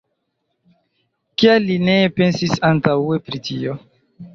Kial li ne pensis antaŭe pri tio?